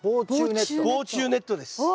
防虫ネットです。